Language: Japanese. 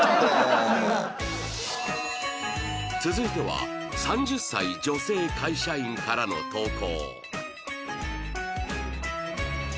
続いては３０歳女性会社員からの投稿